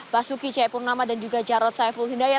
basuki cahaya purnama dan juga carot saya pula